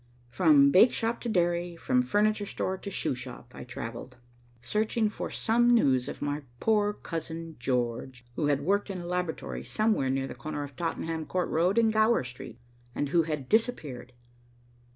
From bakeshop to dairy, from furniture store to shoe shop, I travelled, searching for some news of my poor Cousin George, who had worked in a laboratory somewhere near the corner of Tottenham Court Road and Gower Street, and who had disappeared.